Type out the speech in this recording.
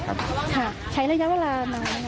ใช้ระยะเวลาน้อง